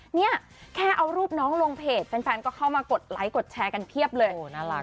เนี่ยแค่เอารูปน้องลงเพจแฟนก็เข้ามากดไลค์กดแชร์กันเพียบเลยน่ารัก